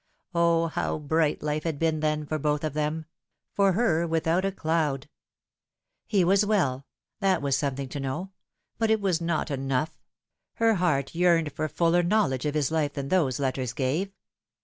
O, how bright life had been then for both of them ! for her without a cloud. He was well that was something to know ; but it was not enough. Her heart yearned for fuller knowledge of his life than those letters gave.